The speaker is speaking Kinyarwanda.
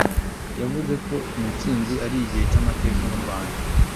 yavuze ko iyi ntsinzi ari igihe cyamateka mu Rwanda